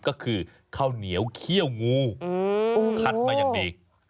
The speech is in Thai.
ก็คือข้าวเหนียวเคี่ยวงูอืมขัดมาอย่างนี้ค่ะ